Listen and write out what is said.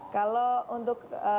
kalau untuk antisipasi kepadatan